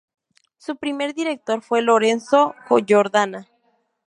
Su primer director fue Lorenzo Jordana.